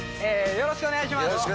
よろしくお願いします。